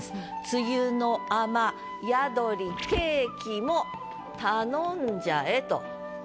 「梅雨の雨宿りケーキもたのんじゃえ」と。